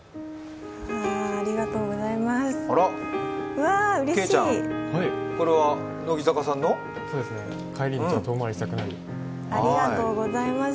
ありがとうございます。